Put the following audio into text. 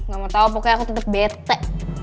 gak mau tau pokoknya aku tetap bete